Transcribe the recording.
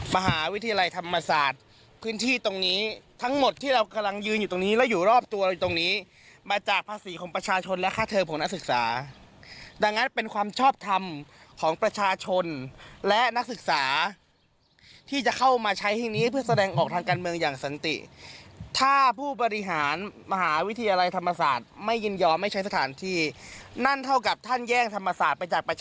มหาวิทยาลัยธรรมศาสตร์พื้นที่ตรงนี้ทั้งหมดที่เรากำลังยืนอยู่ตรงนี้และอยู่รอบตัวอยู่ตรงนี้มาจากภาษีของประชาชนและฆ่าเทิงของนักศึกษาดังนั้นเป็นความชอบทำของประชาชนและนักศึกษาที่จะเข้ามาใช้ที่นี้เพื่อแสดงออกทางการเมืองอย่างสนติถ้าผู้บริหารมหาวิทยาลัยธรรมศาสตร์ไม่